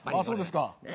そうですか。